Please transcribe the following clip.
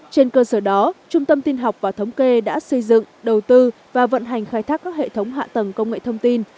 trên cơ sở đó trung tâm tin học và thống kê đã xây dựng đầu tư và vận hành khai thác các hệ thống hạ tầng công nghệ thông tin